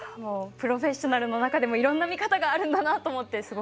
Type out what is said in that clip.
プロフェッショナルの中いろんな見方があるんだなと思い